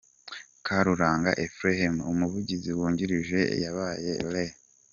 Karuranga Ephraim, Umuvugizi Wungirije yabaye Rev.